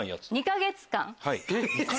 ２か月間⁉